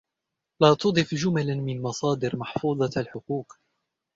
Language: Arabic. لا تضف جملا من مصادر محفوظة الحقوق.